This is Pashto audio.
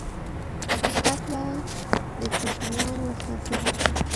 زده کړه د کوچنیانو اساسي حق دی.